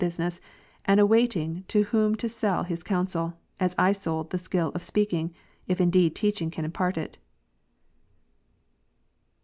143 business, and awaiting to whom to sell his counsel, as I sold the skill of speaking, if indeed teaching can impart it.